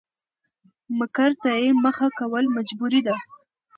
مکر ته يې مخه کول مجبوري ده؛